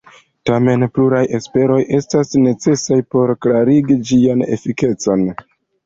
Tamen, pluraj esploroj estas necesaj por klarigi ĝian efikecon.